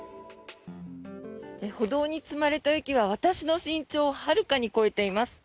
歩道に積まれた雪は私の身長をはるかに超えています。